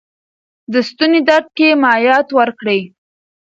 د ستوني درد کې مایعات ورکړئ.